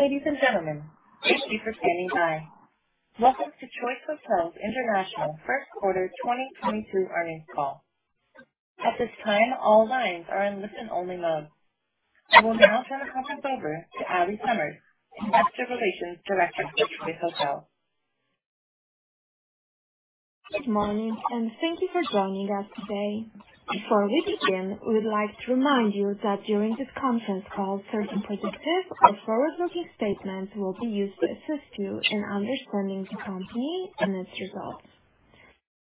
Ladies and gentlemen, thank you for standing by. Welcome to Choice Hotels International First Quarter 2022 earnings call. At this time, all lines are in listen-only mode. I will now turn the conference over to Allie Summers, Investor Relations Director for Choice Hotels. Good morning, and thank you for joining us today. Before we begin, we'd like to remind you that during this conference call, certain predictive or forward-looking statements will be used to assist you in understanding the company and its results.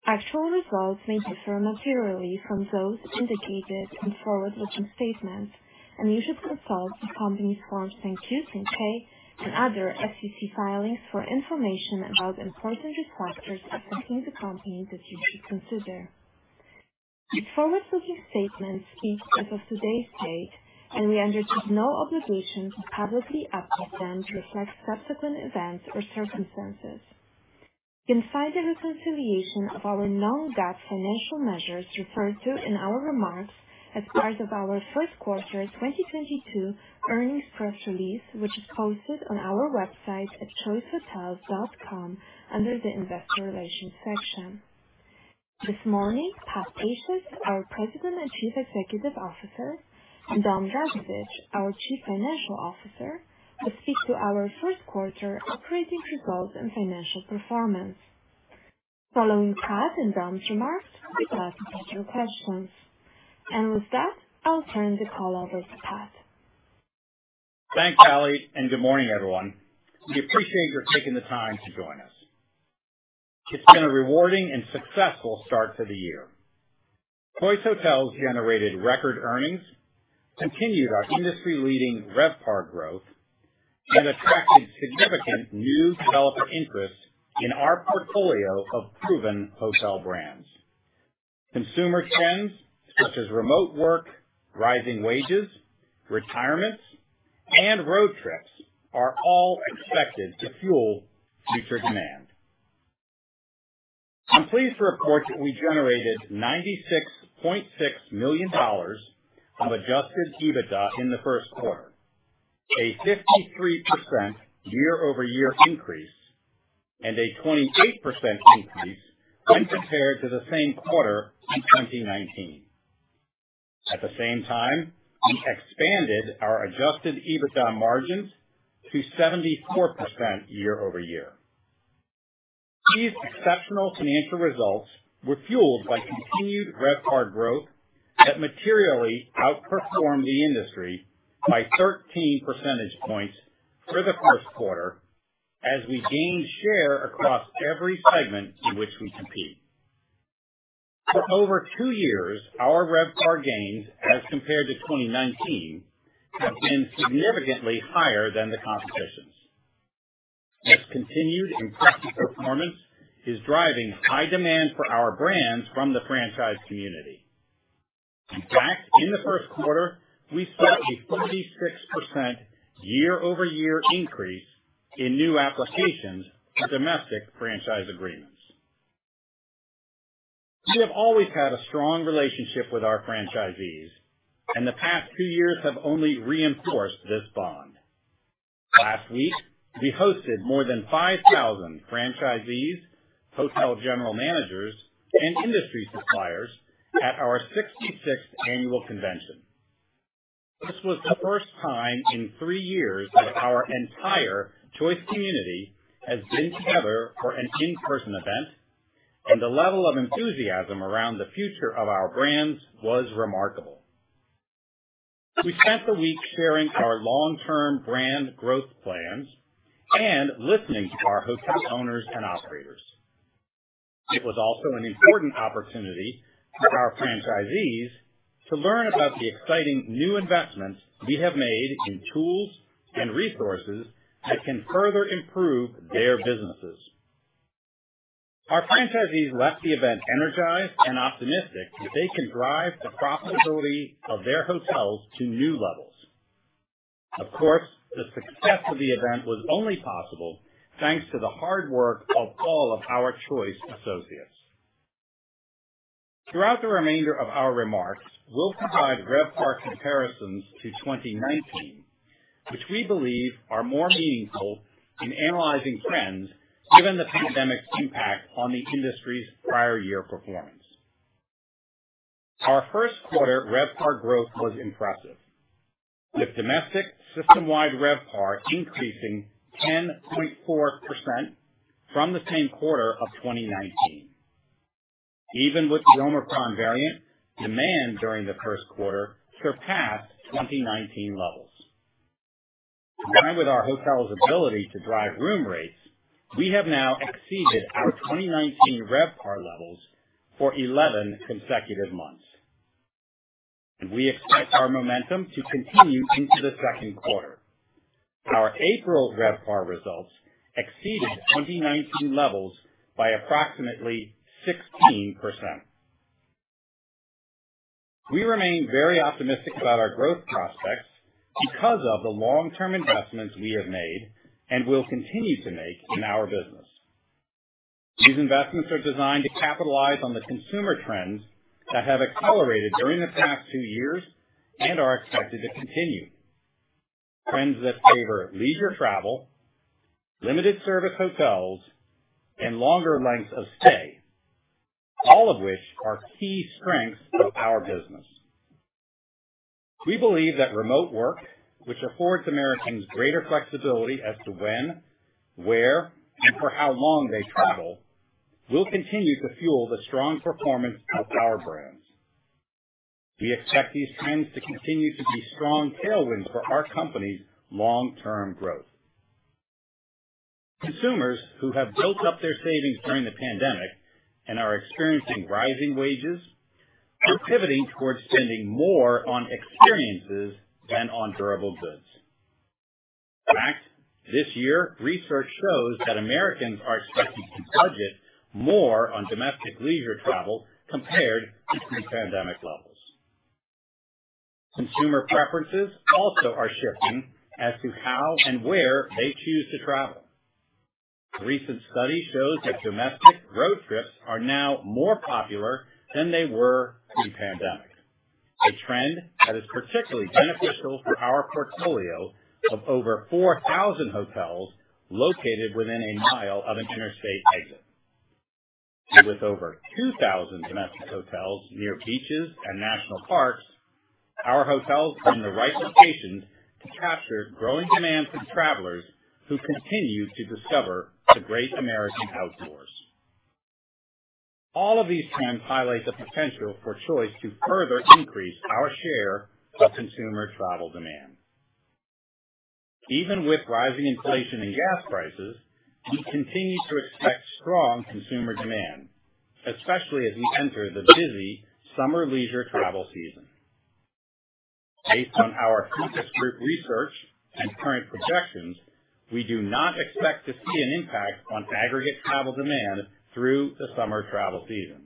Actual results may differ materially from those indicated in forward-looking statements, and you should consult the company's Form 10-Q, 10-K and other SEC filings for information about important factors affecting the company that you should consider. The forward-looking statements speak as of today's date, and we undertake no obligation to publicly update them to reflect subsequent events or circumstances. You can find a reconciliation of our non-GAAP financial measures referred to in our remarks as part of our first quarter 2022 earnings press release, which is posted on our website at choicehotels.com under the Investor Relations section. This morning, Pat Pacious, our President and Chief Executive Officer, and Dom Dragisich, our Chief Financial Officer, will speak to our first quarter operating results and financial performance. Following Pat and Dom's remarks, we'll ask a few questions. With that, I'll turn the call over to Pat. Thanks, Allie, and good morning, everyone. We appreciate your taking the time to join us. It's been a rewarding and successful start to the year. Choice Hotels generated record earnings, continued our industry-leading RevPAR growth, and attracted significant new developer interest in our portfolio of proven hotel brands. Consumer trends such as remote work, rising wages, retirements, and road trips are all expected to fuel future demand. I'm pleased to report that we generated $96.6 million of adjusted EBITDA in the first quarter, a 53% year-over-year increase and a 28% increase when compared to the same quarter in 2019. At the same time, we expanded our adjusted EBITDA margins to 74% year-over-year. These exceptional financial results were fueled by continued RevPAR growth that materially outperformed the industry by 13 percentage points for the first quarter as we gained share across every segment in which we compete. For over two years, our RevPAR gains as compared to 2019 have been significantly higher than the competition's. This continued impressive performance is driving high demand for our brands from the franchise community. In fact, in the first quarter, we saw a 46% year-over-year increase in new applications for domestic franchise agreements. We have always had a strong relationship with our franchisees, and the past two years have only reinforced this bond. Last week, we hosted more than 5,000 franchisees, hotel general managers, and industry suppliers at our 66th annual convention. This was the first time in three years that our entire Choice community has been together for an in-person event, and the level of enthusiasm around the future of our brands was remarkable. We spent the week sharing our long-term brand growth plans and listening to our hotel owners and operators. It was also an important opportunity for our franchisees to learn about the exciting new investments we have made in tools and resources that can further improve their businesses. Our franchisees left the event energized and optimistic that they can drive the profitability of their hotels to new levels. Of course, the success of the event was only possible thanks to the hard work of all of our Choice associates. Throughout the remainder of our remarks, we'll provide RevPAR comparisons to 2019, which we believe are more meaningful in analyzing trends given the pandemic's impact on the industry's prior year performance. Our first quarter RevPAR growth was impressive, with domestic system-wide RevPAR increasing 10.4% from the same quarter of 2019. Even with the Omicron variant, demand during the first quarter surpassed 2019 levels. Combined with our hotels' ability to drive room rates, we have now exceeded our 2019 RevPAR levels for 11 consecutive months. We expect our momentum to continue into the second quarter. Our April RevPAR results exceeded 2019 levels by approximately 16%. We remain very optimistic about our growth prospects because of the long-term investments we have made and will continue to make in our business. These investments are designed to capitalize on the consumer trends that have accelerated during the past two years and are expected to continue. Trends that favor leisure travel, limited service hotels, and longer lengths of stay, all of which are key strengths of our business. We believe that remote work, which affords Americans greater flexibility as to when, where, and for how long they travel, will continue to fuel the strong performance of our brands. We expect these trends to continue to be strong tailwinds for our company's long-term growth. Consumers who have built up their savings during the pandemic and are experiencing rising wages are pivoting towards spending more on experiences than on durable goods. In fact, this year, research shows that Americans are expecting to budget more on domestic leisure travel compared to pre-pandemic levels. Consumer preferences also are shifting as to how and where they choose to travel. A recent study shows that domestic road trips are now more popular than they were pre-pandemic. A trend that is particularly beneficial for our portfolio of over 4,000 hotels located within a mile of an interstate exit. With over 2,000 domestic hotels near beaches and national parks, our hotels are in the right locations to capture growing demand from travelers who continue to discover the great American outdoors. All of these trends highlight the potential for Choice to further increase our share of consumer travel demand. Even with rising inflation and gas prices, we continue to expect strong consumer demand, especially as we enter the busy summer leisure travel season. Based on our focus group research and current projections, we do not expect to see an impact on aggregate travel demand through the summer travel season.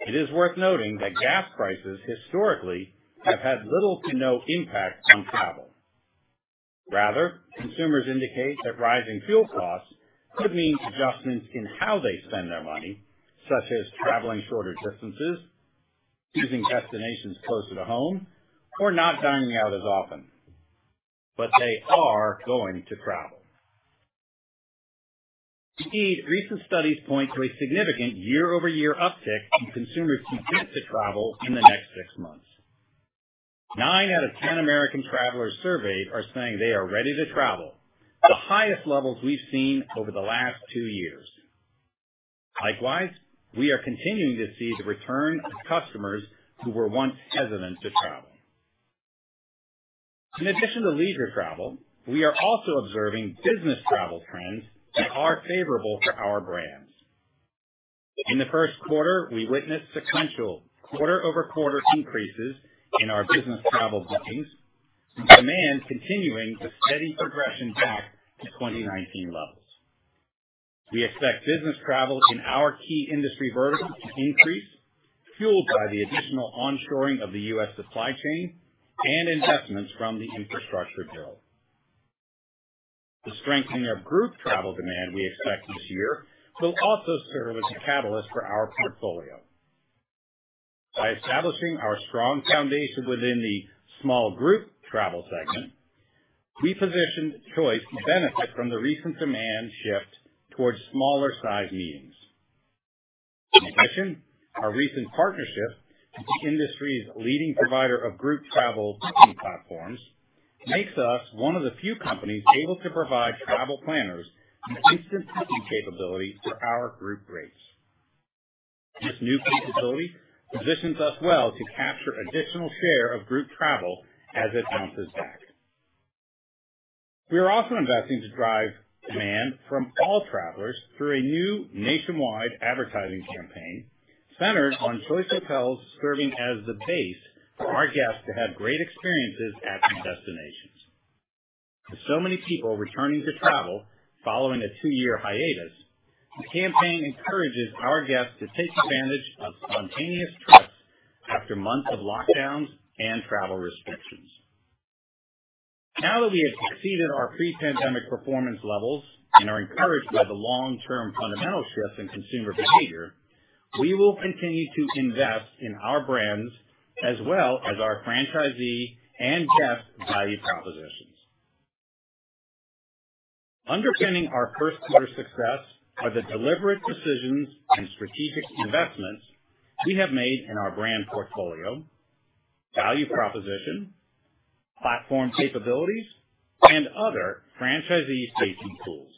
It is worth noting that gas prices historically have had little to no impact on travel. Rather, consumers indicate that rising fuel costs could mean adjustments in how they spend their money, such as traveling shorter distances, choosing destinations closer to home, or not dining out as often. They are going to travel. Indeed, recent studies point to a significant year-over-year uptick in consumers who plan to travel in the next six months. Nine out of ten American travelers surveyed are saying they are ready to travel, the highest levels we've seen over the last two years. Likewise, we are continuing to see the return of customers who were once hesitant to travel. In addition to leisure travel, we are also observing business travel trends that are favorable for our brands. In the first quarter, we witnessed sequential quarter-over-quarter increases in our business travel bookings, with demand continuing the steady progression back to 2019 levels. We expect business travel in our key industry verticals to increase, fueled by the additional onshoring of the U.S. supply chain and investments from the infrastructure bill. The strengthening of group travel demand we expect this year will also serve as a catalyst for our portfolio. By establishing our strong foundation within the small group travel segment, we positioned Choice to benefit from the recent demand shift towards smaller sized meetings. In addition, our recent partnership with the industry's leading provider of group travel booking platforms makes us one of the few companies able to provide travel planners an instant booking capability for our group rates. This new capability positions us well to capture additional share of group travel as it bounces back. We are also investing to drive demand from all travelers through a new nationwide advertising campaign centered on Choice Hotels serving as the base for our guests to have great experiences at their destinations. With so many people returning to travel following a two-year hiatus, the campaign encourages our guests to take advantage of spontaneous trips after months of lockdowns and travel restrictions. Now that we have exceeded our pre-pandemic performance levels and are encouraged by the long-term fundamental shifts in consumer behavior, we will continue to invest in our brands as well as our franchisee and guest value propositions. Underpinning our first quarter success are the deliberate decisions and strategic investments we have made in our brand portfolio, value proposition, platform capabilities, and other franchisee facing tools.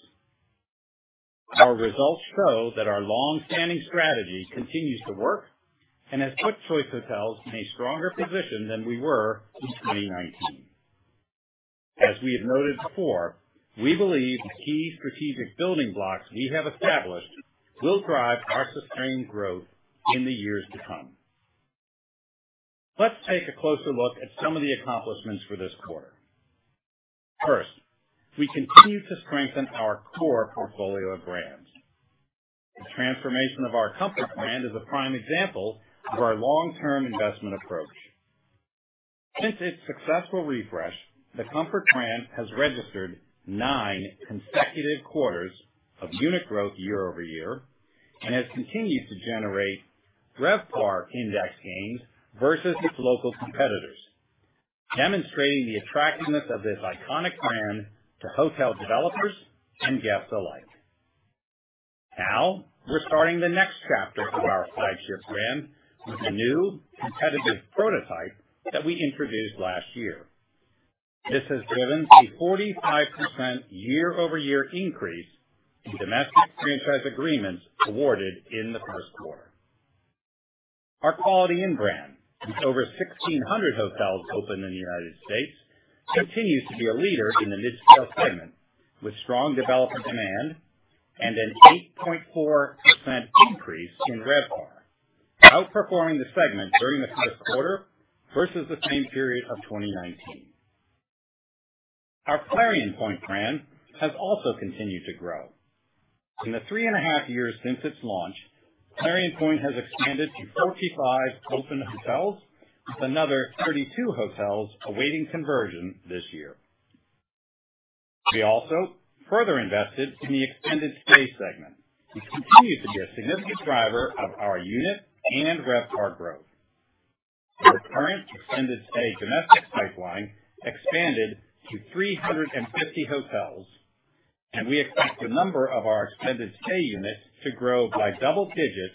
Our results show that our long-standing strategy continues to work and has put Choice Hotels in a stronger position than we were in 2019. As we have noted before, we believe the key strategic building blocks we have established will drive our sustained growth in the years to come. Let's take a closer look at some of the accomplishments for this quarter. First, we continue to strengthen our core portfolio of brands. The transformation of our Comfort brand is a prime example of our long-term investment approach. Since its successful refresh, the Comfort brand has registered nine consecutive quarters of unit growth year-over-year, and has continued to generate RevPAR index gains versus its local competitors, demonstrating the attractiveness of this iconic brand to hotel developers and guests alike. Now we're starting the next chapter of our flagship brand with a new competitive prototype that we introduced last year. This has driven a 45% year-over-year increase in domestic franchise agreements awarded in the first quarter. Our Quality Inn brand, with over 1,600 hotels open in the United States, continues to be a leader in the midscale segment, with strong developer demand and an 8.4% increase in RevPAR, outperforming the segment during the first quarter versus the same period of 2019. Our Clarion Pointe brand has also continued to grow. In the three and a half years since its launch, Clarion Pointe has expanded to 45 open hotels, with another 32 hotels awaiting conversion this year. We also further invested in the extended stay segment, which continues to be a significant driver of our unit and RevPAR growth. Our current extended stay domestic pipeline expanded to 350 hotels, and we expect the number of our extended stay units to grow by double digits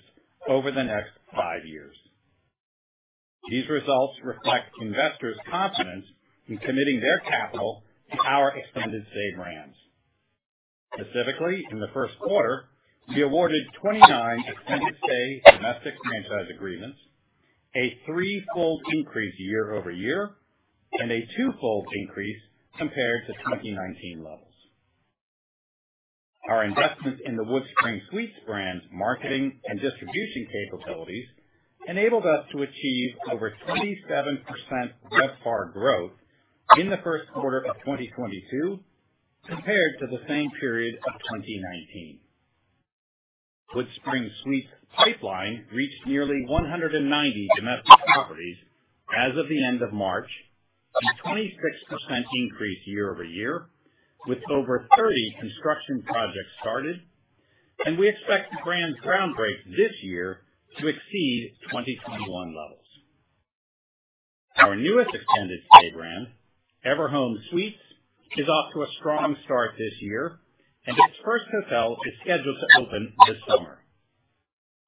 over the next five years. These results reflect investors' confidence in committing their capital to our extended stay brands. Specifically, in the first quarter, we awarded 29 extended stay domestic franchise agreements, a threefold increase year over year, and a twofold increase compared to 2019 levels. Our investments in the WoodSpring Suites brand's marketing and distribution capabilities enabled us to achieve over 27% RevPAR growth in the first quarter of 2022 compared to the same period of 2019. WoodSpring Suites pipeline reached nearly 190 domestic properties as of the end of March, a 26% increase year over year, with over 30 construction projects started. We expect the brand's ground break this year to exceed 2021 levels. Our newest extended stay brand, Everhome Suites, is off to a strong start this year, and its first hotel is scheduled to open this summer.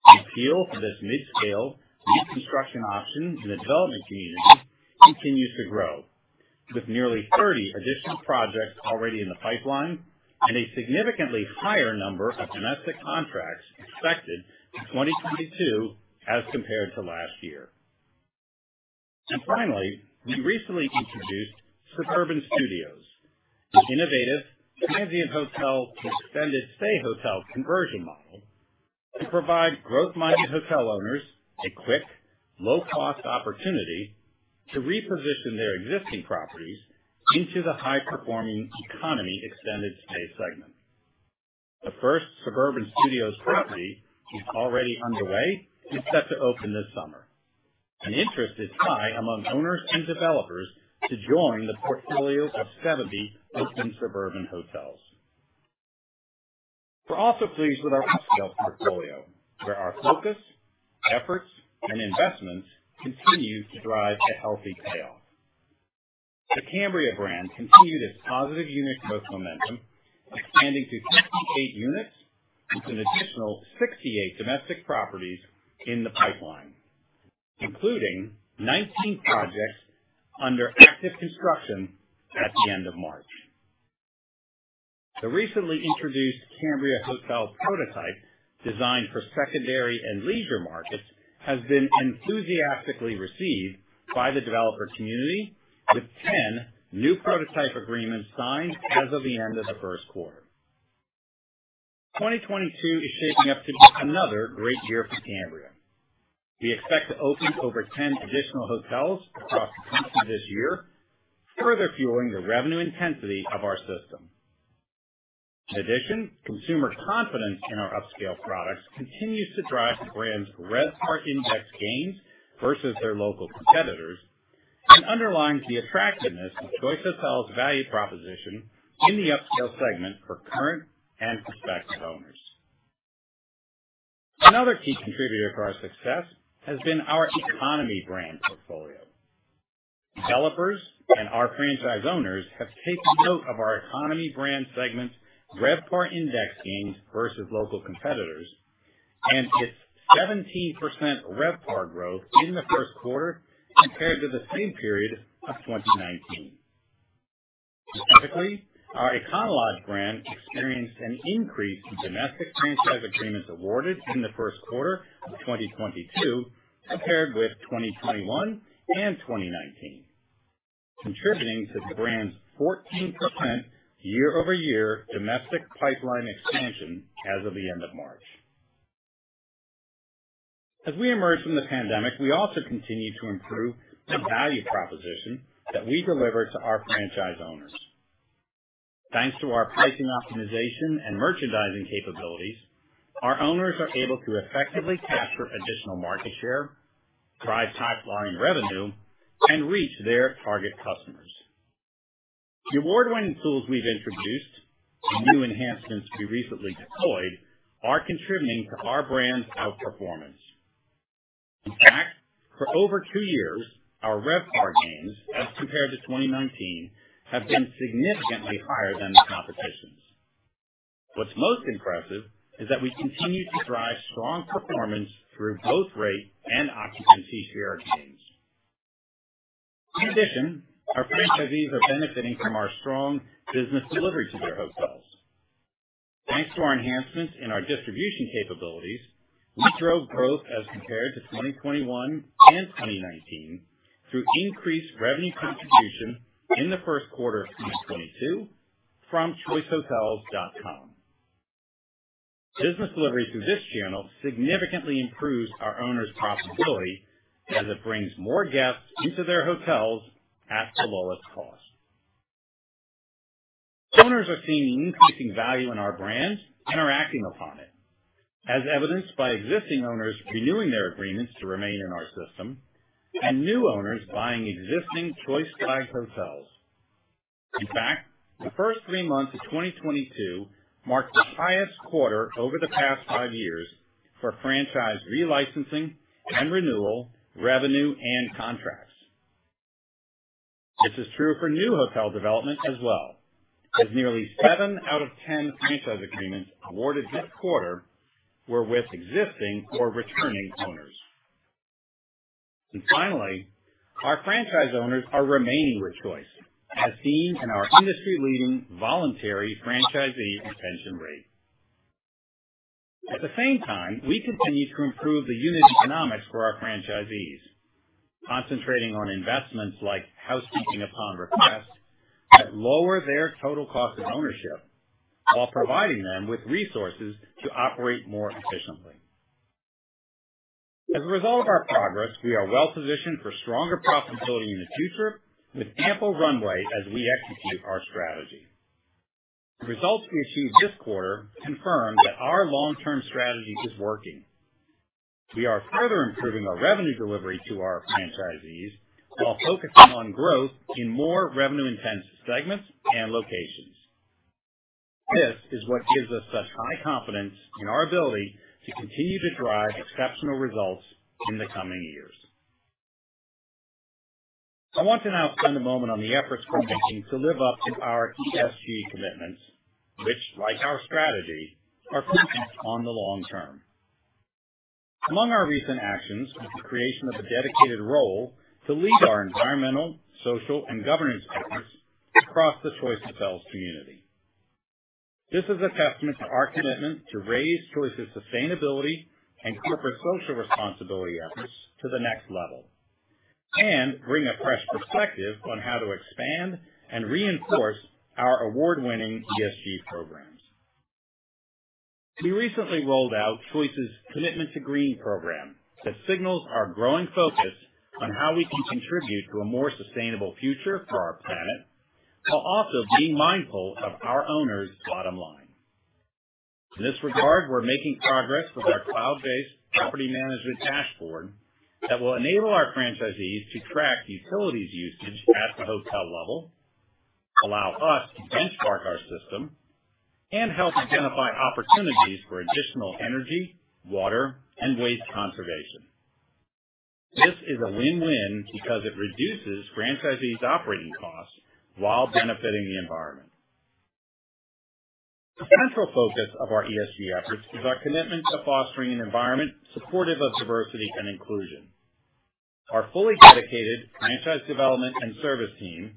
The appeal for this midscale new construction option in the development community continues to grow, with nearly 30 additional projects already in the pipeline and a significantly higher number of domestic contracts expected in 2022 as compared to last year. Finally, we recently introduced Suburban Studios, an innovative transient hotel to extended stay hotel conversion model to provide growth-minded hotel owners a quick, low cost opportunity to reposition their existing properties into the high-performing economy extended stay segment. The first Suburban Studios property is already underway and set to open this summer, and interest is high among owners and developers to join the portfolio of 70 open Suburban hotels. We're also pleased with our upscale portfolio, where our focus, efforts, and investments continue to drive a healthy payoff. The Cambria brand continued its positive unit growth momentum, expanding to 58 units with an additional 68 domestic properties in the pipeline, including 19 projects under active construction at the end of March. The recently introduced Cambria Hotel prototype, designed for secondary and leisure markets, has been enthusiastically received by the developer community, with 10 new prototype agreements signed as of the end of the first quarter. 2022 is shaping up to be another great year for Cambria. We expect to open over 10 additional hotels across the country this year, further fueling the revenue intensity of our system. In addition, consumer confidence in our upscale products continues to drive the brand's RevPAR index gains versus their local competitors and underlines the attractiveness of Choice Hotels' value proposition in the upscale segment for current and prospective owners. Another key contributor to our success has been our economy brand portfolio. Developers and our franchise owners have taken note of our economy brand segment's RevPAR index gains versus local competitors and its 17% RevPAR growth in the first quarter compared to the same period of 2019. Specifically, our Econo Lodge brand experienced an increase in domestic franchise agreements awarded in the first quarter of 2022 compared with 2021 and 2019, contributing to the brand's 14% year-over-year domestic pipeline expansion as of the end of March. As we emerge from the pandemic, we also continue to improve the value proposition that we deliver to our franchise owners. Thanks to our pricing optimization and merchandising capabilities, our owners are able to effectively capture additional market share, drive top-line revenue, and reach their target customers. The award-winning tools we've introduced, and new enhancements we recently deployed, are contributing to our brand's outperformance. In fact, for over two years, our RevPAR gains, as compared to 2019, have been significantly higher than the competition's. What's most impressive is that we continue to drive strong performance through both rate and occupancy share gains. In addition, our franchisees are benefiting from our strong business delivery to their hotels. Thanks to our enhancements in our distribution capabilities, we drove growth as compared to 2021 and 2019 through increased revenue contribution in the first quarter of 2022 from choicehotels.com. Business delivery through this channel significantly improves our owners' profitability as it brings more guests into their hotels at the lowest cost. Owners are seeing increasing value in our brand and are acting upon it, as evidenced by existing owners renewing their agreements to remain in our system and new owners buying existing Choice-flagged hotels. In fact, the first three months of 2022 marked the highest quarter over the past five years for franchise re-licensing and renewal revenue and contracts. This is true for new hotel development as well, as nearly seven out of 10 franchise agreements awarded this quarter were with existing or returning owners. Finally, our franchise owners are remaining with Choice, as seen in our industry-leading voluntary franchisee retention rate. At the same time, we continue to improve the unit economics for our franchisees, concentrating on investments like housekeeping upon request that lower their total cost of ownership while providing them with resources to operate more efficiently. As a result of our progress, we are well positioned for stronger profitability in the future with ample runway as we execute our strategy. The results we achieved this quarter confirm that our long-term strategy is working. We are further improving our revenue delivery to our franchisees while focusing on growth in more revenue-intensive segments and locations. This is what gives us such high confidence in our ability to continue to drive exceptional results in the coming years. I want to now spend a moment on the efforts we're making to live up to our ESG commitments, which like our strategy, are focused on the long term. Among our recent actions is the creation of a dedicated role to lead our environmental, social, and governance efforts across the Choice Hotels community. This is a testament to our commitment to raise Choice's sustainability and corporate social responsibility efforts to the next level and bring a fresh perspective on how to expand and reinforce our award-winning ESG programs. We recently rolled out Choice's Commitment to Green program that signals our growing focus on how we can contribute to a more sustainable future for our planet, while also being mindful of our owners' bottom line. In this regard, we're making progress with our cloud-based property management dashboard that will enable our franchisees to track utilities usage at the hotel level, allow us to benchmark our system, and help identify opportunities for additional energy, water, and waste conservation. This is a win-win because it reduces franchisees' operating costs while benefiting the environment. A central focus of our ESG efforts is our commitment to fostering an environment supportive of diversity and inclusion. Our fully dedicated franchise development and service team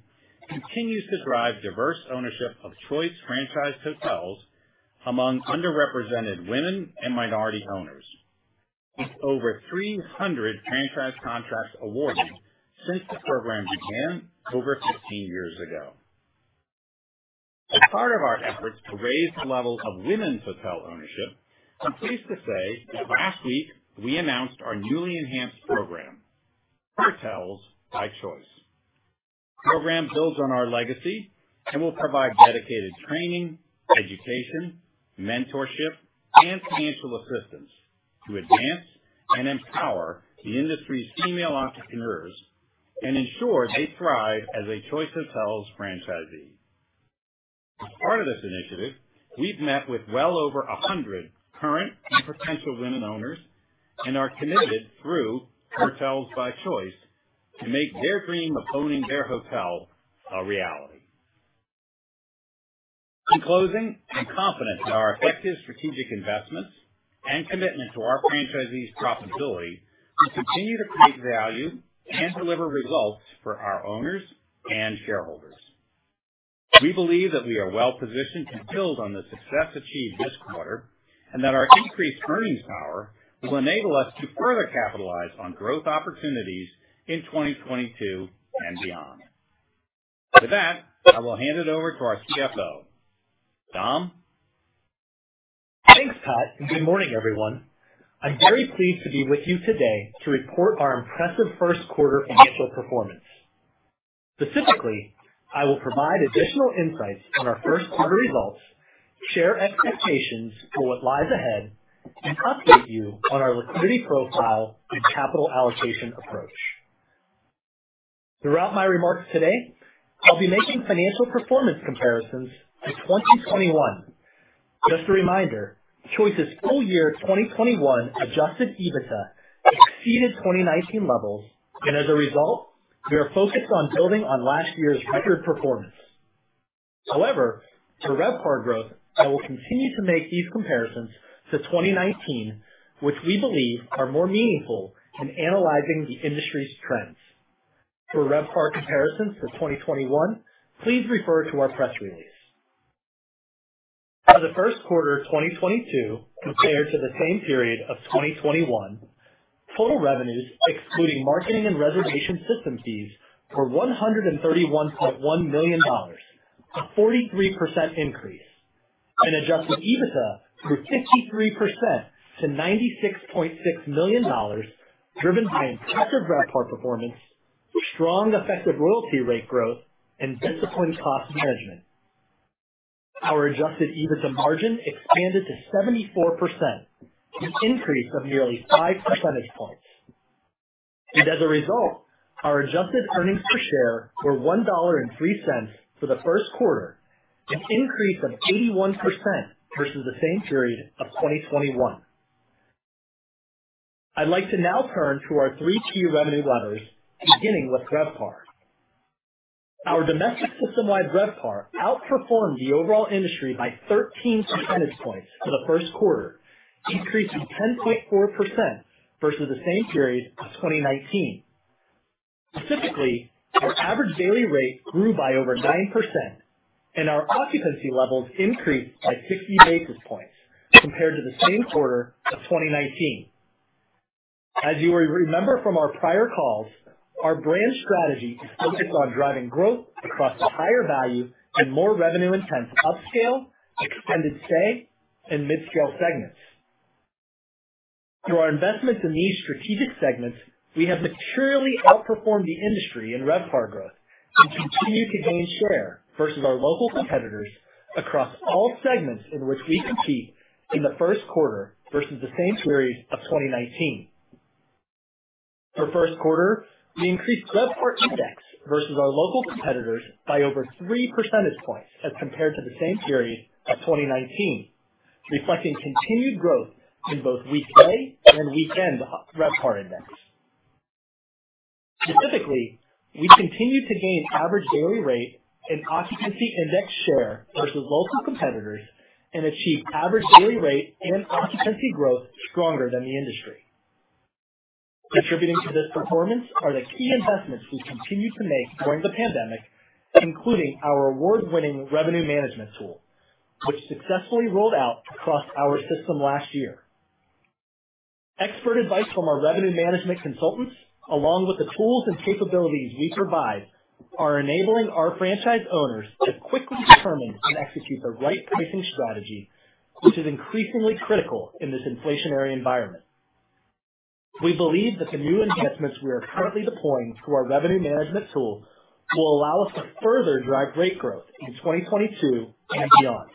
continues to drive diverse ownership of Choice franchise hotels among underrepresented women and minority owners. With over 300 franchise contracts awarded since the program began over 15 years ago. As part of our efforts to raise the level of women's hotel ownership, I'm pleased to say that last week we announced our newly enhanced program, Hotels by Choice. The program builds on our legacy and will provide dedicated training, education, mentorship, and financial assistance to advance and empower the industry's female entrepreneurs and ensure they thrive as a Choice Hotels franchisee. As part of this initiative, we've met with well over 100 current and potential women owners and are committed, through Hotels by Choice, to make their dream of owning their hotel a reality. In closing, I'm confident that our effective strategic investments and commitment to our franchisees' profitability will continue to create value and deliver results for our owners and shareholders. We believe that we are well-positioned to build on the success achieved this quarter, and that our increased earnings power will enable us to further capitalize on growth opportunities in 2022 and beyond. With that, I will hand it over to our CFO. Dom? Thanks, Pat, and good morning, everyone. I'm very pleased to be with you today to report our impressive first quarter financial performance. Specifically, I will provide additional insights on our first quarter results, share expectations for what lies ahead, and update you on our liquidity profile and capital allocation approach. Throughout my remarks today, I'll be making financial performance comparisons to 2021. Just a reminder, Choice's full year 2021 adjusted EBITDA exceeded 2019 levels, and as a result, we are focused on building on last year's record performance. However, to RevPAR growth, I will continue to make these comparisons to 2019, which we believe are more meaningful in analyzing the industry's trends. For RevPAR comparisons for 2021, please refer to our press release. For the first quarter of 2022 compared to the same period of 2021, total revenues, excluding marketing and reservation system fees, were $131.1 million, a 43% increase. Adjusted EBITDA grew 53% to $96.6 million, driven by impressive RevPAR performance, strong effective royalty rate growth, and disciplined cost management. Our adjusted EBITDA margin expanded to 74%, an increase of nearly 5 percentage points. As a result, our adjusted earnings per share were $1.03 for the first quarter, an increase of 81% versus the same period of 2021. I'd like to now turn to our three key revenue levers, beginning with RevPAR. Our domestic systemwide RevPAR outperformed the overall industry by 13 percentage points for the first quarter, increasing 10.4% versus the same period of 2019. Specifically, our average daily rate grew by over 9%, and our occupancy levels increased by 60 basis points compared to the same quarter of 2019. As you will remember from our prior calls, our brand strategy is focused on driving growth across the higher value and more revenue intense upscale, extended stay, and midscale segments. Through our investments in these strategic segments, we have materially outperformed the industry in RevPAR growth and continue to gain share versus our local competitors across all segments in which we compete in the first quarter versus the same period of 2019. For first quarter, we increased RevPAR index versus our local competitors by over 3 percentage points as compared to the same period of 2019, reflecting continued growth in both weekday and weekend RevPAR index. Specifically, we continued to gain average daily rate and occupancy index share versus local competitors and achieved average daily rate and occupancy growth stronger than the industry. Attributing to this performance are the key investments we've continued to make during the pandemic, including our award-winning revenue management tool, which successfully rolled out across our system last year. Expert advice from our revenue management consultants, along with the tools and capabilities we provide, are enabling our franchise owners to quickly determine and execute the right pricing strategy, which is increasingly critical in this inflationary environment. We believe that the new enhancements we are currently deploying through our revenue management tool will allow us to further drive rate growth in 2022 and beyond.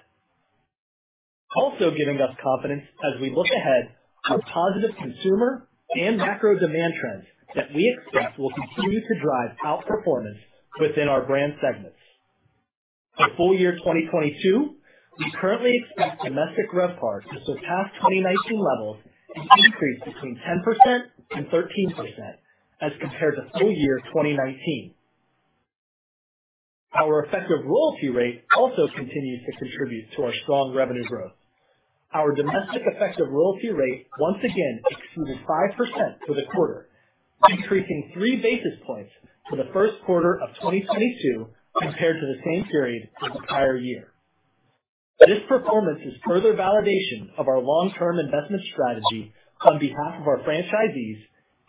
Also giving us confidence as we look ahead are positive consumer and macro demand trends that we expect will continue to drive outperformance within our brand segments. For full year 2022, we currently expect domestic RevPAR to surpass 2019 levels and increase between 10% and 13% as compared to full year 2019. Our effective royalty rate also continues to contribute to our strong revenue growth. Our domestic effective royalty rate once again exceeded 5% for the quarter, increasing 3 basis points for the first quarter of 2022 compared to the same period for the prior year. This performance is further validation of our long-term investment strategy on behalf of our franchisees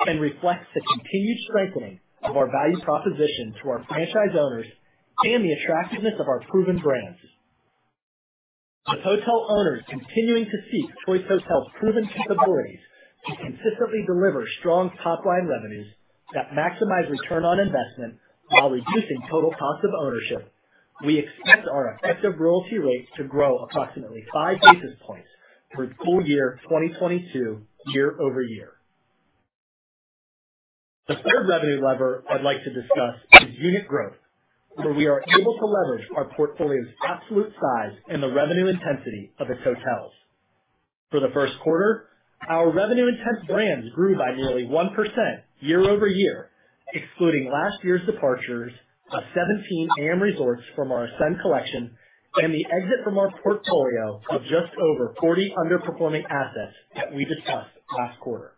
and reflects the continued strengthening of our value proposition to our franchise owners and the attractiveness of our proven brands. With hotel owners continuing to seek Choice Hotels' proven capabilities to consistently deliver strong top-line revenues that maximize return on investment while reducing total cost of ownership, we expect our effective royalty rates to grow approximately five basis points through full year 2022 year-over-year. The third revenue lever I'd like to discuss is unit growth, where we are able to leverage our portfolio's absolute size and the revenue intensity of its hotels. For the first quarter, our revenue-intensive brands grew by nearly 1% year-over-year, excluding last year's departures of 17 AMResorts from our Ascend Hotel Collection and the exit from our portfolio of just over 40 underperforming assets that we discussed last quarter.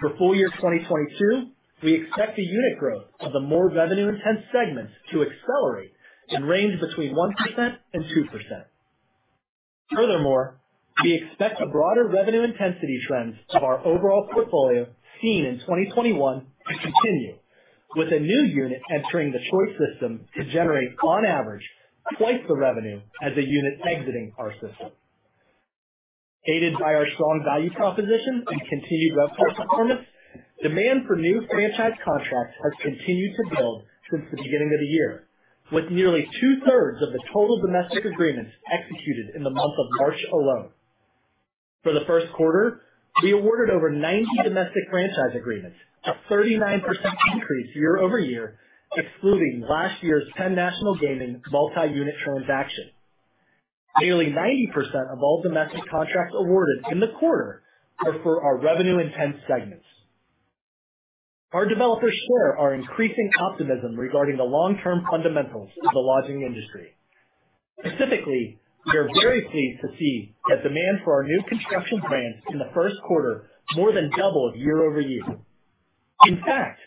For full year 2022, we expect the unit growth of the more revenue-intensive segments to accelerate and range between 1% and 2%. Furthermore, we expect the broader revenue intensity trends of our overall portfolio seen in 2021 to continue. With a new unit entering the Choice system to generate on average twice the revenue as a unit exiting our system. Aided by our strong value proposition and continued RevPAR performance, demand for new franchise contracts has continued to build since the beginning of the year, with nearly 2/3 of the total domestic agreements executed in the month of March alone. For the first quarter, we awarded over 90 domestic franchise agreements, a 39% increase year-over-year, excluding last year's 10 national gaming multi-unit transaction. Nearly 90% of all domestic contracts awarded in the quarter are for our revenue-intensive segments. Our developers share our increasing optimism regarding the long-term fundamentals of the lodging industry. Specifically, we are very pleased to see that demand for our new construction plans in the first quarter more than doubled year-over-year. In fact,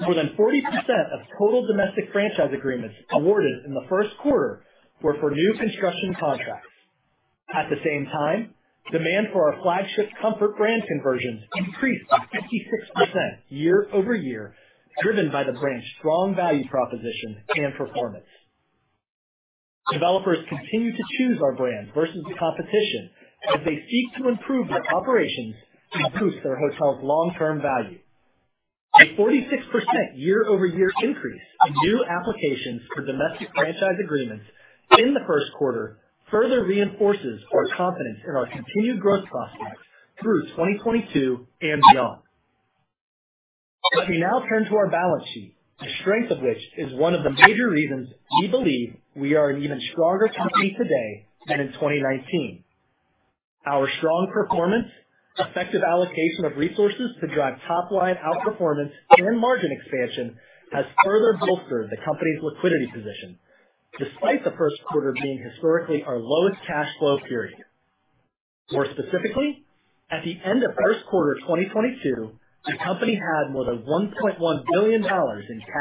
more than 40% of total domestic franchise agreements awarded in the first quarter were for new construction contracts. At the same time, demand for our flagship Comfort brand conversions increased by 56% year-over-year, driven by the brand's strong value proposition and performance. Developers continue to choose our brand versus the competition as they seek to improve their operations and boost their hotel's long-term value. A 46% year-over-year increase in new applications for domestic franchise agreements in the first quarter further reinforces our confidence in our continued growth prospects through 2022 and beyond. Let me now turn to our balance sheet, the strength of which is one of the major reasons we believe we are an even stronger company today than in 2019. Our strong performance, effective allocation of resources to drive top line outperformance and margin expansion has further bolstered the company's liquidity position, despite the first quarter being historically our lowest cash flow period. More specifically, at the end of first quarter 2022, the company had more than $1.1 billion in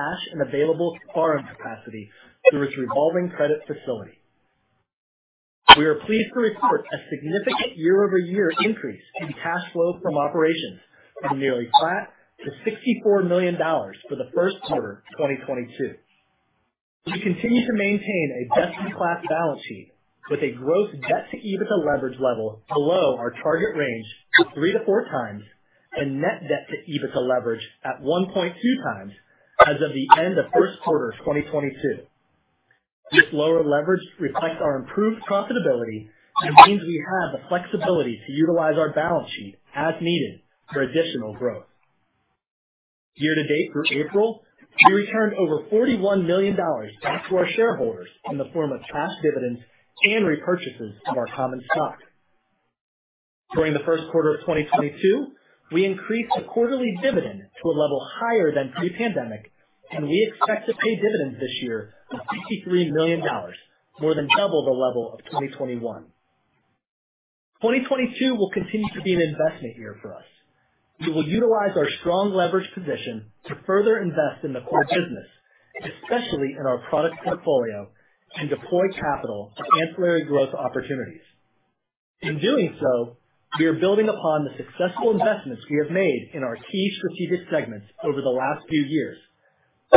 cash and available borrowing capacity through its revolving credit facility. We are pleased to report a significant year-over-year increase in cash flow from operations from nearly flat to $64 million for the first quarter 2022. We continue to maintain a best-in-class balance sheet with a gross debt-to-EBITDA leverage level below our target range of 3x-4x and net debt-to-EBITDA leverage at 1.2x as of the end of first quarter 2022. This lower leverage reflects our improved profitability and means we have the flexibility to utilize our balance sheet as needed for additional growth. Year to date through April, we returned over $41 million back to our shareholders in the form of cash dividends and repurchases of our common stock. During the first quarter of 2022, we increased the quarterly dividend to a level higher than pre-pandemic, and we expect to pay dividends this year of $63 million, more than double the level of 2021. 2022 will continue to be an investment year for us. We will utilize our strong leverage position to further invest in the core business, especially in our product portfolio, and deploy capital to ancillary growth opportunities. In doing so, we are building upon the successful investments we have made in our key strategic segments over the last few years,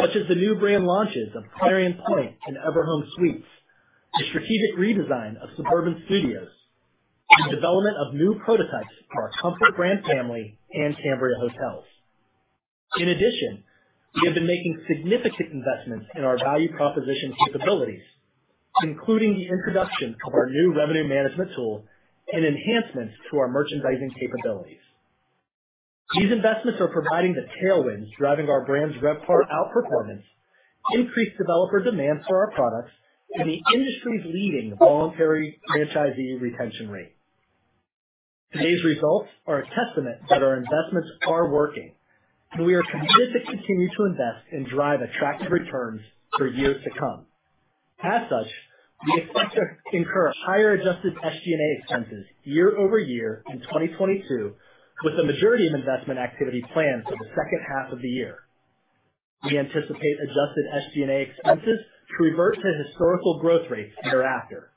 such as the new brand launches of Clarion Pointe and Everhome Suites, the strategic redesign of Suburban Studios, and development of new prototypes for our Comfort brand family and Cambria Hotels. In addition, we have been making significant investments in our value proposition capabilities, including the introduction of our new revenue management tool and enhancements to our merchandising capabilities. These investments are providing the tailwinds driving our brand's RevPAR outperformance, increased developer demand for our products, and the industry's leading voluntary franchisee retention rate. Today's results are a testament that our investments are working, and we are committed to continue to invest and drive attractive returns for years to come. As such, we expect to incur higher adjusted SG&A expenses year-over-year in 2022, with the majority of investment activity planned for the second half of the year. We anticipate adjusted SG&A expenses to revert to historical growth rates thereafter.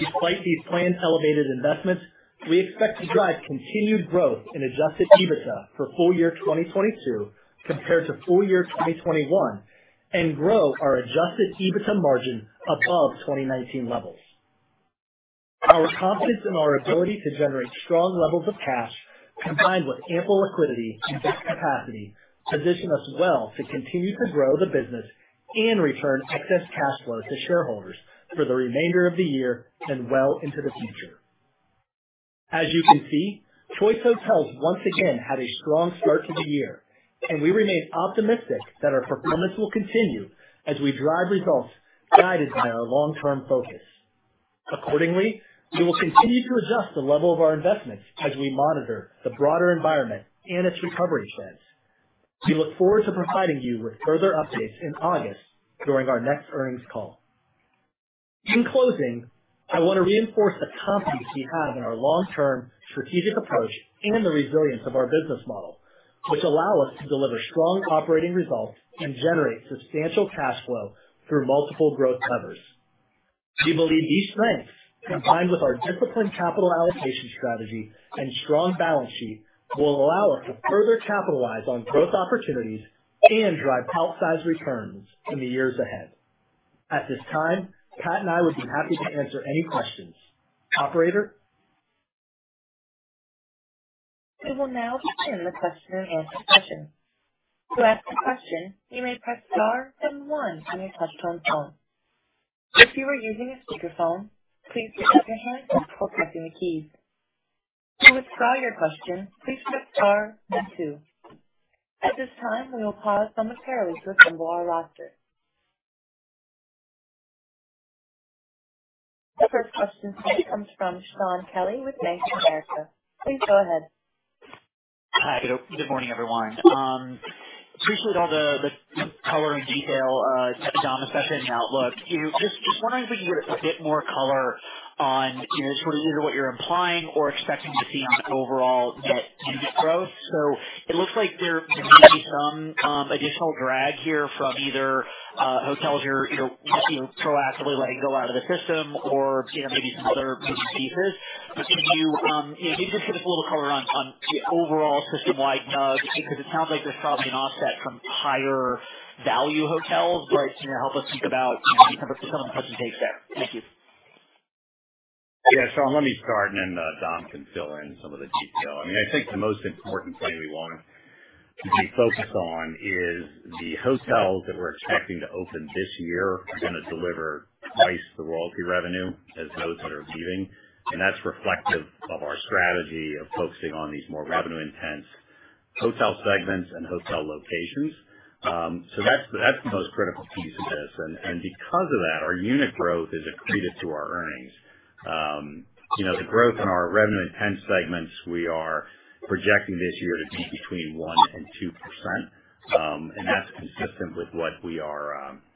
Despite these planned elevated investments, we expect to drive continued growth in adjusted EBITDA for full year 2022 compared to full year 2021, and grow our adjusted EBITDA margin above 2019 levels. Our confidence in our ability to generate strong levels of cash, combined with ample liquidity and debt capacity, position us well to continue to grow the business and return excess cash flow to shareholders for the remainder of the year and well into the future. As you can see, Choice Hotels once again had a strong start to the year, and we remain optimistic that our performance will continue as we drive results guided by our long-term focus. Accordingly, we will continue to adjust the level of our investments as we monitor the broader environment and its recovery trends. We look forward to providing you with further updates in August during our next earnings call. In closing, I want to reinforce the confidence we have in our long-term strategic approach and the resilience of our business model, which allow us to deliver strong operating results and generate substantial cash flow through multiple growth levers. We believe these strengths, combined with our disciplined capital allocation strategy and strong balance sheet, will allow us to further capitalize on growth opportunities and drive outsized returns in the years ahead. At this time, Pat and I would be happy to answer any questions. Operator? We will now begin the question and answer session. To ask a question, you may press star then one on your touch-tone phone. If you are using a speakerphone, please pick up your handset before pressing the keys. To withdraw your question, please press star then two. At this time, we'll pause momentarily while we poll our participants from our roster. The first question comes from Shaun Kelley with Bank of America. Please go ahead. Hi. Good morning, everyone. Appreciate all the color and detail to Dom's session and outlook. Just wondering if you could put a bit more color on, you know, sort of either what you're implying or expecting to see on overall net unit growth. It looks like there may be some additional drag here from either hotels you're proactively letting go out of the system or, you know, maybe some other moving pieces. Can you maybe just give us a little color on the overall system-wide NUG, because it sounds like there's probably an offset from higher value hotels. Can you help us think about some of the plus and takes there? Thank you. Yeah. Shaun, let me start, and then Dom can fill in some of the detail. I mean, I think the most important thing we wanna be focused on is the hotels that we're expecting to open this year are gonna deliver twice the royalty revenue as those that are leaving. That's reflective of our strategy of focusing on these more revenue intense hotel segments and hotel locations. That's the most critical piece of this. Because of that, our unit growth is accretive to our earnings. You know, the growth in our revenue intense segments we are projecting this year to be between 1% and 2%, and that's consistent with what we're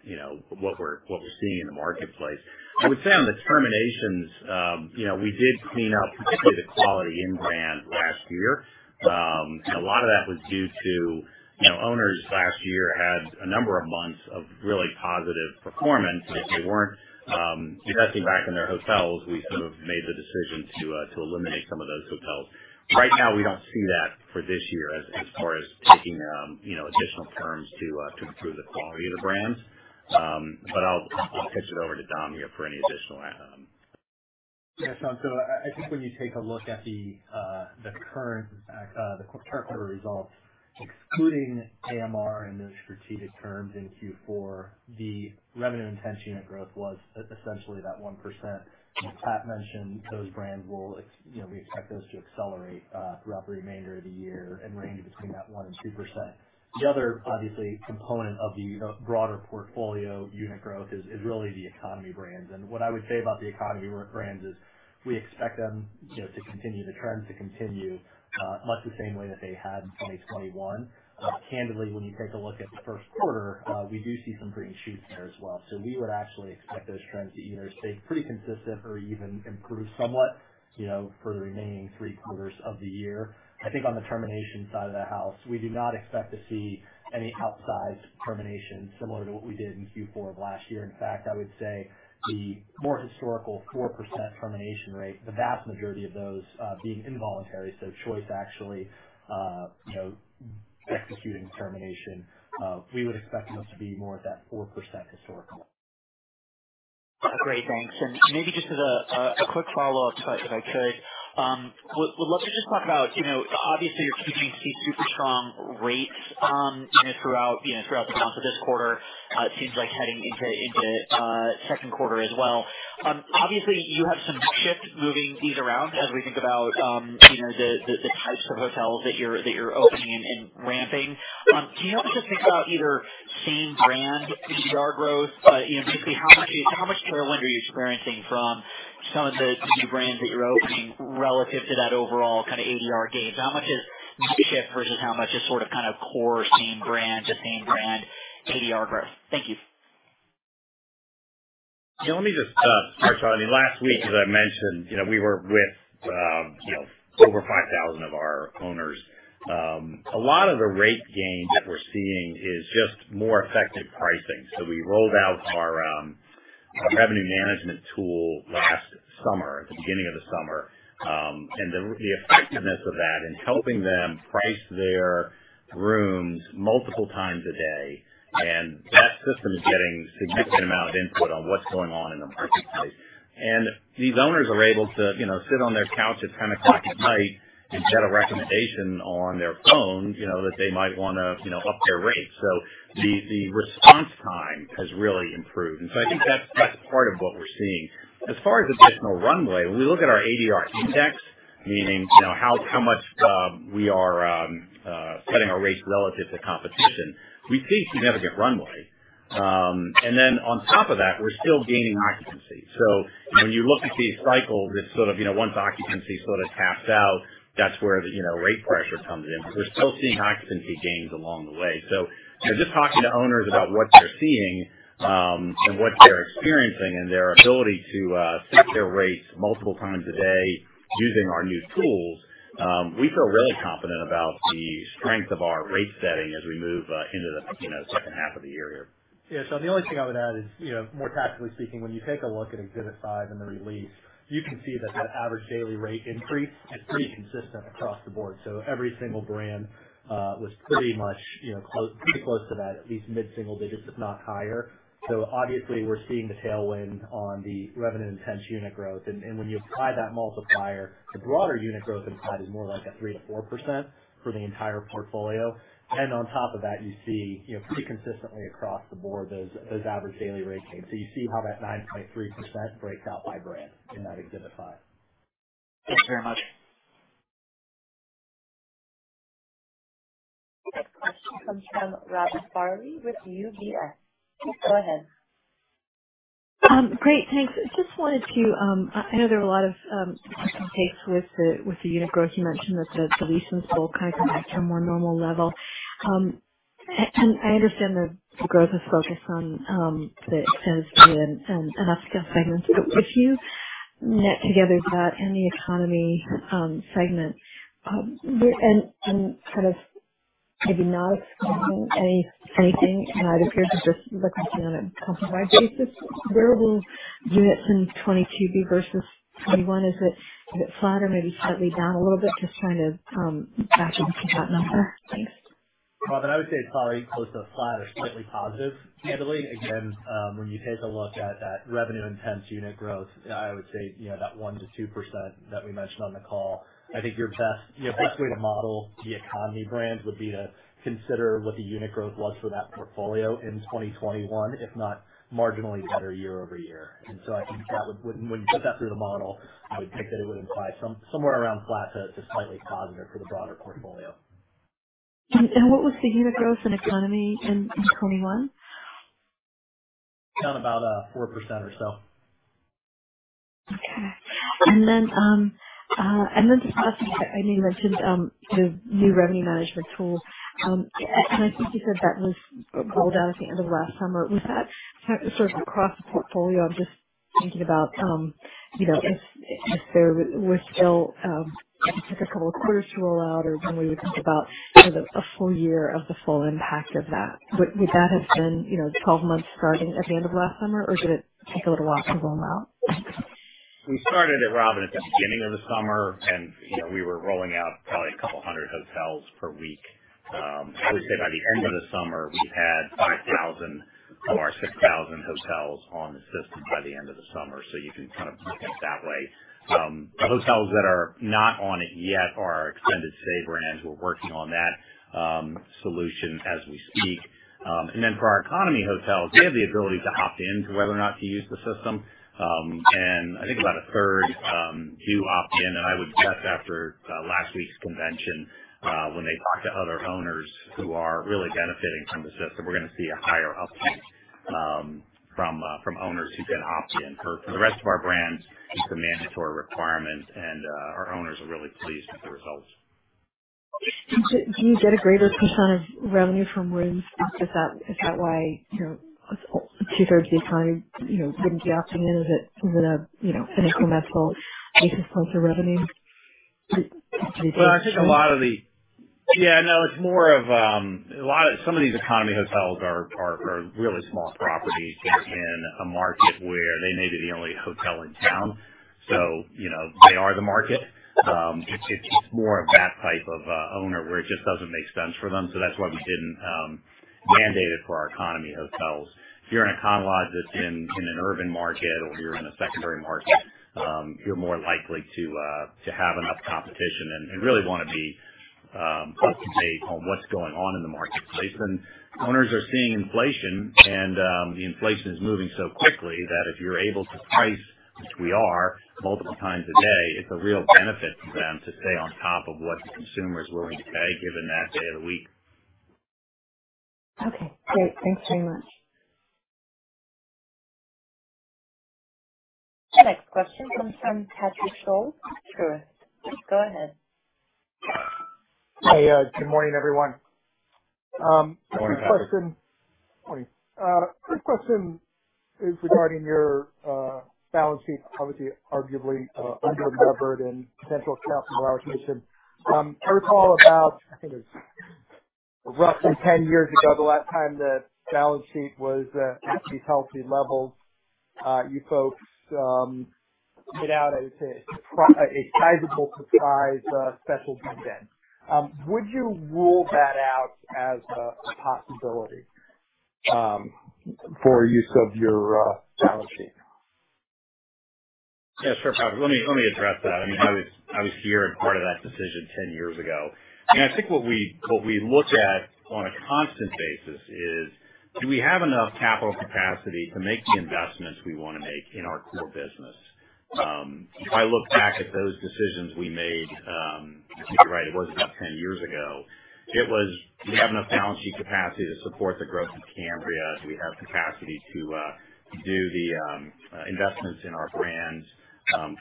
seeing in the marketplace. I would say on the terminations, you know, we did clean up particularly the Quality Inn brand last year. A lot of that was due to, you know, owners last year had a number of months of really positive performance. If they weren't investing back in their hotels, we sort of made the decision to eliminate some of those hotels. Right now, we don't see that for this year as far as taking, you know, additional terminations to improve the quality of the brands. I'll pitch it over to Dom here for any additional input. Yeah. I think when you take a look at the current quarter results, excluding AMR and those strategic acquisitions in Q4, the RevPAR and unit growth was essentially 1%. As Pat mentioned, those brands will accelerate throughout the remainder of the year and range between 1%-2%. The other obvious component of the broader portfolio unit growth is really the economy brands. What I would say about the economy brands is we expect them, you know, to continue the trends much the same way that they had in 2021. Candidly, when you take a look at the first quarter, we do see some green shoots there as well. We would actually expect those trends to either stay pretty consistent or even improve somewhat, you know, for the remaining three quarters of the year. I think on the termination side of the house, we do not expect to see any outsized terminations similar to what we did in Q4 of last year. In fact, I would say the more historical 4% termination rate, the vast majority of those being involuntary, so Choice actually, you know, executing the termination, we would expect those to be more at that 4% historical. Great. Thanks. Maybe just as a quick follow-up to it, if I could. Would love to just talk about, you know, obviously you're keeping super strong rates, you know, throughout the month of this quarter. It seems like heading into second quarter as well. Obviously you have some mix shift moving these around as we think about, you know, the types of hotels that you're opening and ramping. Can you help us just think about either same brand ADR growth, but, you know, basically how much tailwind are you experiencing from some of the new brands that you're opening relative to that overall kind of ADR gains? How much is mix shift versus how much is sort of, kind of core same brand to same brand ADR growth? Thank you. You know, let me just start, Shaun. I mean, last week, as I mentioned, you know, we were with, you know, over 5,000 of our owners. A lot of the rate gain that we're seeing is just more effective pricing. We rolled out our revenue management tool last summer, at the beginning of the summer. The effectiveness of that in helping them price their rooms multiple times a day, and that system is getting significant amount of input on what's going on in the marketplace. These owners are able to, you know, sit on their couch at 10:00 P.M. and get a recommendation on their phone, you know, that they might wanna, you know, up their rates. The response time has really improved. I think that's part of what we're seeing. As far as additional runway, when we look at our ADR index, meaning, you know, how much we are setting our rates relative to competition, we see significant runway. On top of that, we're still gaining occupancy. When you look at the cycle, this sort of, you know, once occupancy sort of taps out, that's where the, you know, rate pressure comes in. We're still seeing occupancy gains along the way. You know, just talking to owners about what they're seeing and what they're experiencing and their ability to set their rates multiple times a day using our new tools, we feel really confident about the strength of our rate setting as we move into the, you know, second half of the year. Yeah. The only thing I would add is, you know, more tactically speaking, when you take a look at Exhibit five in the release, you can see that the average daily rate increase is pretty consistent across the board. Every single brand was pretty much, you know, pretty close to that, at least mid-single digits, if not higher. Obviously we're seeing the tailwind on the revenue-intensive unit growth. When you apply that multiplier to broader unit growth implied is more like at 3%-4% for the entire portfolio. On top of that, you see, you know, pretty consistently across the board, those average daily rate gains. You see how that 9.3% breaks out by brand in that Exhibit five. Thank you very much. The next question comes from Robin Farley with UBS. Please go ahead. Great, thanks. Just wanted to, I know there are a lot of debates with the unit growth. You mentioned that the new supply kind of back to a more normal level. I understand the growth is focused on the Extended Stay and upscale segments. If you net together that and the economy segment and sort of maybe not expecting anything, and it would appear just looking at it on a composite basis, where will units in 2022 be versus 2021? Is it flat or maybe slightly down a little bit? Just trying to factor into that number. Thanks. Robin, I would say it's probably close to flat or slightly positive. Admittedly, again, when you take a look at that RevPAR-intensive unit growth, I would say, you know, that 1%-2% that we mentioned on the call. I think your best, you know, way to model the economy brands would be to consider what the unit growth was for that portfolio in 2021, if not marginally better year-over-year. I think that would, when you put that through the model, I would think that it would imply somewhere around flat to slightly positive for the broader portfolio. What was the unit growth in economy in 2021? Down about 4% or so. Okay. Just last thing, I know you mentioned the new revenue management tool. I think you said that was rolled out at the end of last summer. Was that sort of across the portfolio? I'm just thinking about, you know, if there were still, I think a couple of quarters to roll out or when we would think about sort of a full year of the full impact of that. Would that have been, you know, 12 months starting at the end of last summer, or did it take a little while to roll them out? We started it, Robin, at the beginning of the summer, and, you know, we were rolling out probably 200 hotels per week. I would say by the end of the summer, we had 5,000 of our 6,000 hotels on the system by the end of the summer. You can kind of look at it that way. The hotels that are not on it yet are our extended stay brands. We're working on that solution as we speak. For our economy hotels, they have the ability to opt in to whether or not to use the system. I think about a third do opt in. I would guess after last week's convention, when they talk to other owners who are really benefiting from the system, we're gonna see a higher uptake from owners who can opt in. For the rest of our brands, it's a mandatory requirement and our owners are really pleased with the results. Do you get a greater percent of revenue from rooms? Is that why, you know, 2/3 of the economy, you know, wouldn't be opting in? Is it a, you know, an incremental basis closer revenue? Do you think? It's more of a lot of some of these economy hotels are really small properties. They're in a market where they may be the only hotel in town, so, you know, they are the market. It's more of that type of owner where it just doesn't make sense for them. That's why we didn't mandate it for our economy hotels. If you're an Econo Lodge that's in an urban market or you're in a secondary market, you're more likely to have enough competition and really wanna be up to date on what's going on in the marketplace. Owners are seeing inflation and the inflation is moving so quickly that if you're able to price, which we are, multiple times a day, it's a real benefit to them to stay on top of what the consumer is willing to pay given that day of the week. Okay, great. Thanks very much. The next question comes from Patrick Scholes, Truist. Please go ahead. Hey, good morning, everyone. Good morning, Patrick. First question. Morning. First question is regarding your balance sheet, obviously, arguably, underlevered and central to capital allocation. I recall about, I think it was roughly 10 years ago, the last time the balance sheet was at these healthy levels, you folks put out a sizable surprise special dividend. Would you rule that out as a possibility for use of your balance sheet? Yeah, sure, Patrick. Let me address that. I mean, I was here and part of that decision 10 years ago, and I think what we look at on a constant basis is, do we have enough capital capacity to make the investments we wanna make in our core business? If I look back at those decisions we made, and you're right, it was about 10 years ago, it was, do we have enough balance sheet capacity to support the growth of Cambria? Do we have capacity to do the investments in our brands?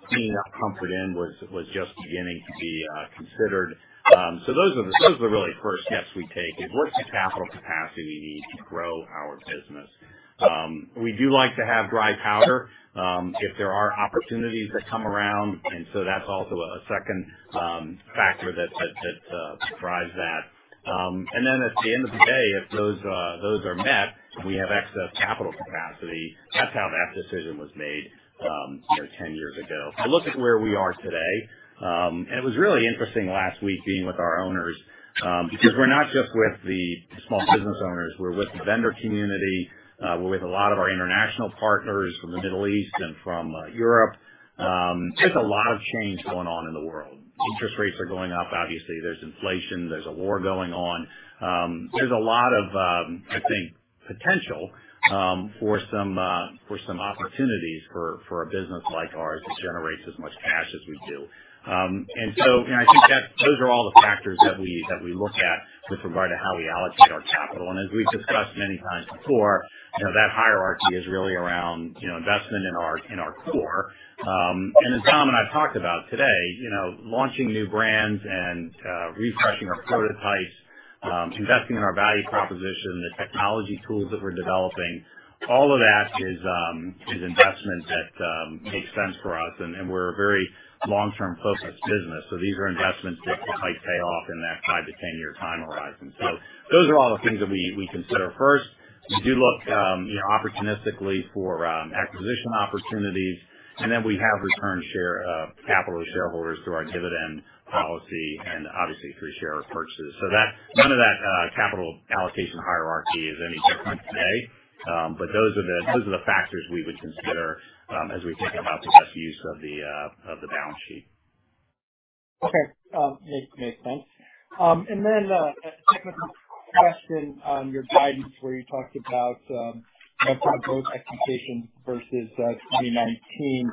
Cleaning up Comfort Inn was just beginning to be considered. Those are the really first is we take, is what's the capital capacity we need to grow our business? We do like to have dry powder, if there are opportunities that come around. That's also a second factor that drives that. At the end of the day, if those are met, we have excess capital capacity. That's how that decision was made, you know, 10 years ago. Look at where we are today. It was really interesting last week being with our owners, because we're not just with the small business owners, we're with the vendor community. We're with a lot of our international partners from the Middle East and from Europe. There's a lot of change going on in the world. Interest rates are going up. Obviously, there's inflation, there's a war going on. There's a lot of, I think, potential for some opportunities for a business like ours that generates as much cash as we do. I think those are all the factors that we look at with regard to how we allocate our capital. As we've discussed many times before, you know, that hierarchy is really around, you know, investment in our core. As Dom and I talked about today, you know, launching new brands and refreshing our prototypes, investing in our value proposition, the technology tools that we're developing, all of that is investment that makes sense for us. We're a very long-term focused business. These are investments that might pay off in that five to 10-year time horizon. Those are all the things that we consider first. We do look, you know, opportunistically for acquisition opportunities, and then we return capital to shareholders through our dividend policy and obviously through share purchases. None of that capital allocation hierarchy is any different today. Those are the factors we would consider as we think about the best use of the balance sheet. Okay. Makes sense. A technical question on your guidance where you talked about growth expectations versus 2019.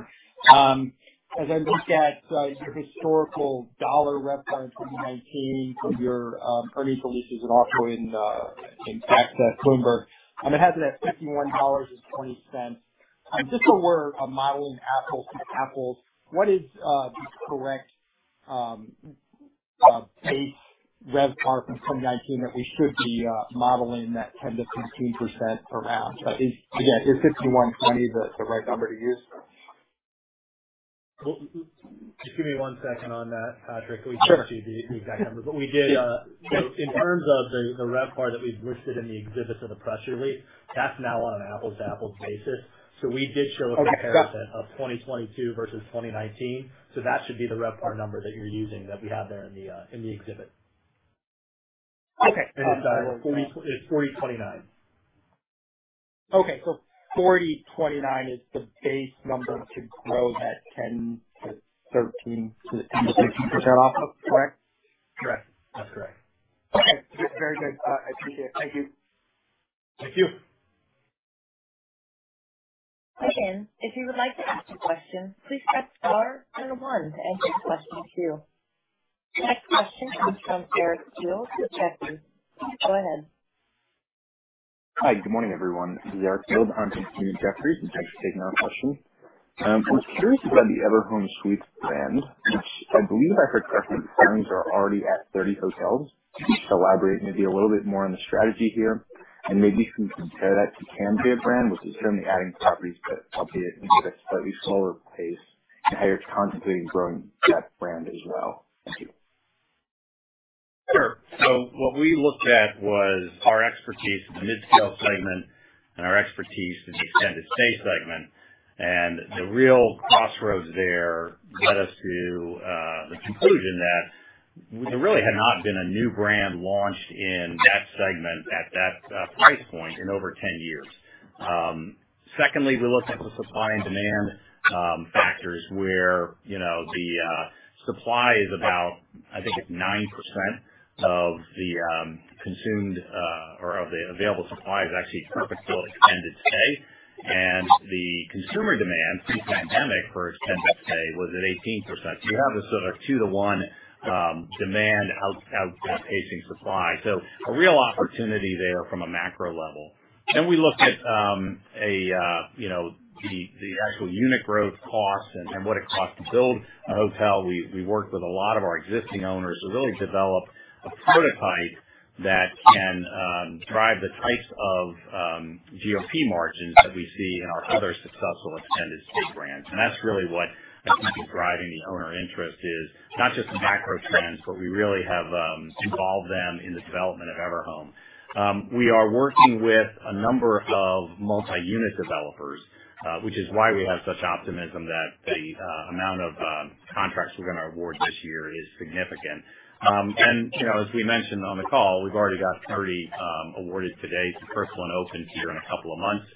As I look at your historical dollar RevPAR in 2019 from your earnings releases and also in fact Bloomberg, it has it at $51.20. Just so we're modeling apples to apples, what is the correct base RevPAR from 2019 that we should be modeling that 10%-13% around? Is again, is $51.20 the right number to use? Well, just give me one second on that, Patrick. Sure. We can get you the exact numbers. We did so in terms of the RevPAR that we've listed in the exhibits of the press release, that's now on an apples to apples basis. We did show- Okay, got it. A comparison of 2022 versus 2019. That should be the RevPAR number that you're using that we have there in the exhibit. Okay. It's $40.29. Okay cool. $40.29 is the base number to grow that 10%-13% to 10%-16% off of, correct? Correct. That's correct. Okay. Very good. I appreciate it. Thank you. Thank you. Again, if you would like to ask a question, please press star then one to ask a question zero. The next question comes from Eric Field with Jefferies. Go ahead. Hi. Good morning, everyone. This is Eric Field. I'm with Jefferies. Thanks for taking our question. I was curious about the Everhome Suites brand, which I believe I heard correctly, the signings are already at 30 hotels. Can you elaborate maybe a little bit more on the strategy here and maybe if you can compare that to Cambria brand, which is certainly adding properties, but adding at a slightly slower pace, and how you're contemplating growing that brand as well. Thank you. Sure. What we looked at was our expertise in the midscale segment and our expertise in the extended stay segment. The real crossroads there led us to the conclusion that there really had not been a new brand launched in that segment at that price point in over 10 years. Secondly, we looked at the supply and demand factors where you know the supply is about, I think it's 9% of the consumed or of the available supply is actually purposeful extended stay. The consumer demand post-pandemic for extended stay was at 18%. You have this sort of two to one demand outpacing supply. A real opportunity there from a macro level. We looked at you know the actual unit growth costs and what it costs to build a hotel. We worked with a lot of our existing owners to really develop a prototype that can drive the types of GOP margins that we see in our other successful extended stay brands. That's really what I think is driving the owner interest is not just the macro trends, but we really have involved them in the development of Everhome. We are working with a number of multi-unit developers, which is why we have such optimism that the amount of contracts we're gonna award this year is significant. You know, as we mentioned on the call, we've already got 30 awarded to date. The first one opens here in a couple of months.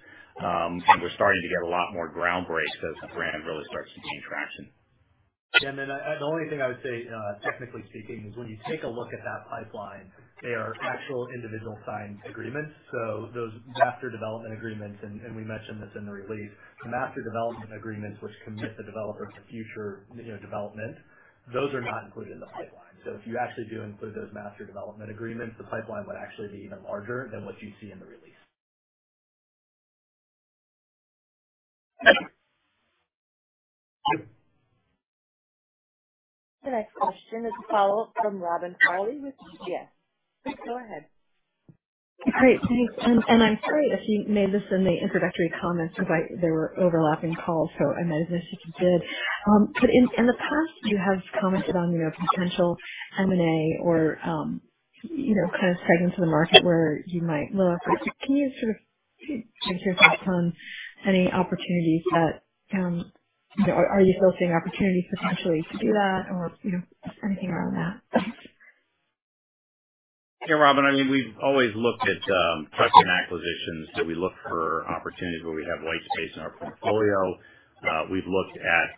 We're starting to get a lot more ground breaks as the brand really starts to gain traction. The only thing I would say, technically speaking, is when you take a look at that pipeline, they are actual individual signed agreements. Those master development agreements, and we mentioned this in the release, master development agreements, which commit the developer to future, you know, development, those are not included in the pipeline. If you actually do include those master development agreements, the pipeline would actually be even larger than what you see in the release. The next question is a follow-up from Robin Farley with UBS. Please go ahead. Great, thanks. I'm sorry if you made this in the introductory comments, but there were overlapping calls, so I might have missed it if you did. In the past, you have commented on, you know, potential M&A or, you know, kind of segments of the market where you might look. Can you sort of give us your thoughts on any opportunities that you know, are you still seeing opportunities potentially to do that or, you know, anything around that? Yeah, Robin, I mean, we've always looked at acquisitions, so we look for opportunities where we have white space in our portfolio. We've looked at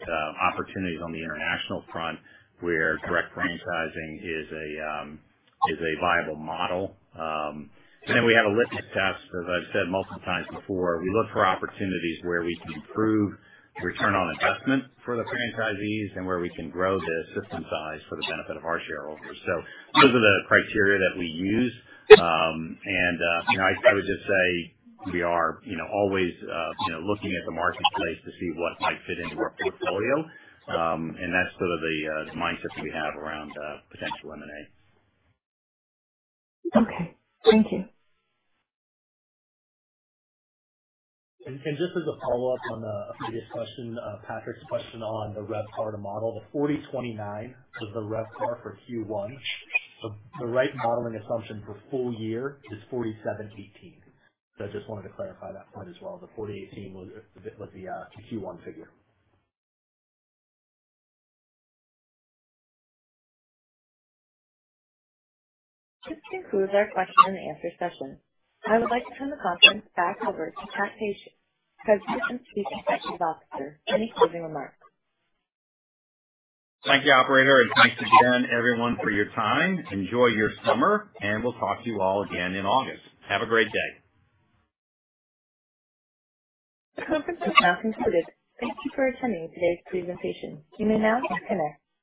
opportunities on the international front where direct franchising is a viable model. We have a litmus test. As I've said multiple times before, we look for opportunities where we can improve return on investment for the franchisees and where we can grow the system size for the benefit of our shareholders. Those are the criteria that we use. You know, I would just say we are, you know, always, you know, looking at the marketplace to see what might fit into our portfolio. That's sort of the mindset that we have around potential M&A. Okay. Thank you. Just as a follow-up on the previous question, Patrick's question on the RevPAR to model. The $40.29 was the RevPAR for Q1. The right modeling assumption for full year is $47.18. I just wanted to clarify that point as well. The $40.18 was the Q1 figure. This concludes our question and answer session. I would like to turn the conference back over to Pat Pacious, President and Chief Executive Officer, any closing remarks. Thank you, operator, and thanks again, everyone for your time. Enjoy your summer, and we'll talk to you all again in August. Have a great day. The conference is now concluded. Thank you for attending today's presentation. You may now disconnect.